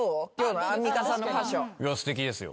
すてきですよ。